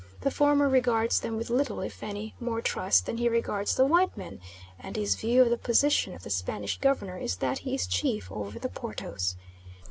The former regards them with little, if any, more trust than he regards the white men, and his view of the position of the Spanish Governor is that he is chief over the Portos.